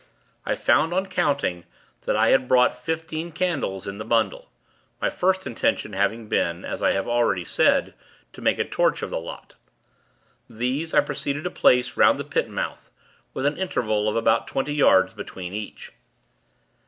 I found, on counting, that I had brought fifteen candles, in the bundle my first intention having been, as I have already said, to make a torch of the lot. These, I proceeded to place 'round the Pit mouth, with an interval of about twenty yards between each.